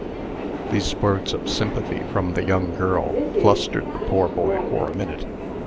These words of sympathy from the young girl flustered the poor boy for a minute.